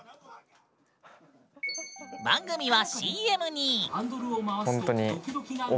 番組はＣＭに！